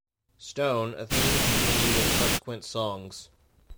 Stone, a theme continued in subsequent songs.